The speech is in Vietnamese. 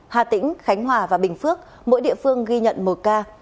hà tĩnh khánh hòa và bình phước mỗi địa phương ghi nhận một ca